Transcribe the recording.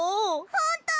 ほんと？